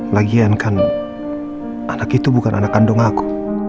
lagian kan anak itu bukan anak kandung aku